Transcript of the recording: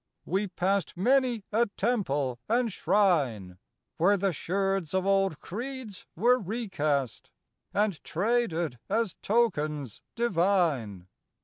We passed Many a temple and shrine, Where the sherds of old creeds were recast And traded as tokens divine.